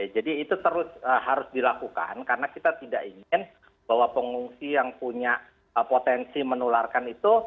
jadi itu harus dilakukan karena kita tidak ingin bahwa pengungsi yang punya potensi menularkan itu